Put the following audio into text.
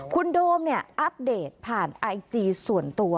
คุณโดมเนี่ยอัปเดตผ่านไอจีส่วนตัว